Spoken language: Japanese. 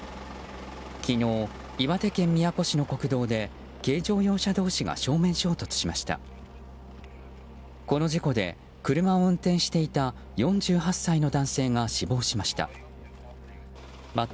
昨日、岩手県宮古市の国道で軽乗用車同士が正面衝突しました。